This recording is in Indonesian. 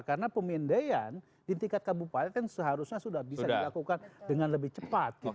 karena pemindaian di tingkat kabupaten seharusnya sudah bisa dilakukan dengan lebih cepat